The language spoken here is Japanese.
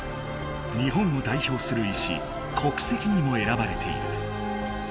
日本を代表する石「国石」にもえらばれている。